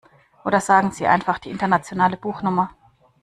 Oder sagen Sie einfach die internationale Buchnummer.